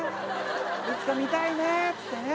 いつか見たいねつってね。